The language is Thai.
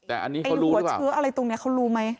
ไอ้หัวเชื้ออะไรตรงนี้เค้ารู้ไหม